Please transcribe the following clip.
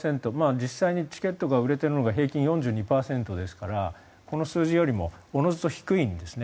実際にチケットが売れているのが平均４２％ですからこの数字よりもおのずと低いんですね。